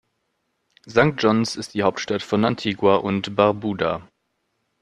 St. John’s ist die Hauptstadt von Antigua und Barbuda.